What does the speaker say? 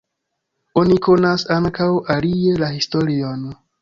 Oni konas ankaŭ alie la historion.